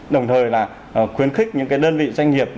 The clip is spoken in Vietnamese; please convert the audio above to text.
đồng thời là khuyến khích những đơn vị doanh nghiệp